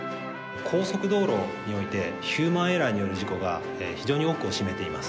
高速道路においてヒューマンエラーによる事故が非常に多くを占めています。